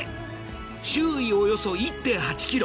周囲およそ１．８ｋｍ。